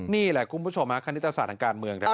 นี่แหละคุณผู้ชมคณิตศาสตร์ทางการเมือง